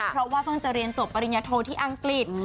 เพราะว่าเพิ่งจะเรียนจบปริญญโทที่อังกฤษ